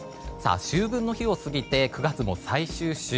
秋分の日を過ぎて９月も最終週。